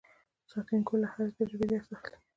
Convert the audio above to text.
سانتیاګو له هرې تجربې درس اخلي.